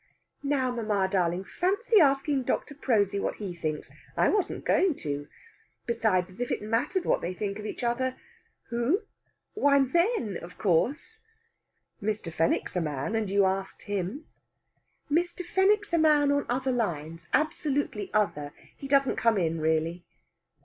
"Now, mamma darling, fancy asking Dr. Prosy what he thinks! I wasn't going to. Besides, as if it mattered what they think of each other!... Who? Why, men, of course!" "Mr. Fenwick's a man, and you asked him." "Mr. Fenwick's a man on other lines absolutely other. He doesn't come in really."